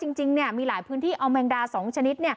จริงมีหลายพื้นที่เอาแมงดา๒ชนิด